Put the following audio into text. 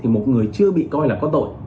một người chưa bị coi là có tội